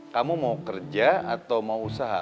kamu mau kerja atau mau usaha